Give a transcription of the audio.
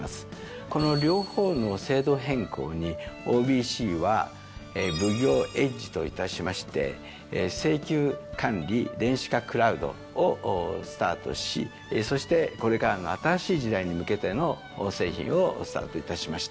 この両方の制度変更にＯＢＣは「奉行Ｅｄｇｅ」といたしまして請求管理電子化クラウドをスタートしそしてこれからの新しい時代に向けての製品をスタートいたしました。